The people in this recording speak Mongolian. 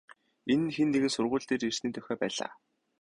Энэ нь хэн нэгэн сургууль дээр ирсний дохио байлаа.